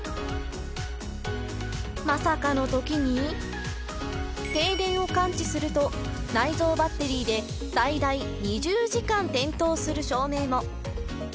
まさかのときに、停電を感知すると、内臓バッテリーで最大２０時間点灯する照明も。